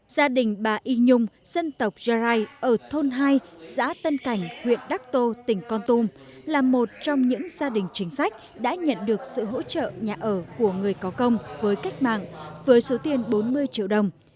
gia đình bà y nhung dân tộc gia rai ở thôn hai xã tân cảnh huyện đắc tô tỉnh con tum là một trong những gia đình chính sách đã nhận được sự hỗ trợ nhà ở của người có công với cách mạng với số tiền bốn mươi triệu đồng